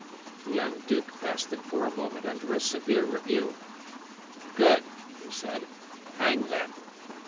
The young duke passed them for a moment under a severe review. "Good," he said. "Hang them."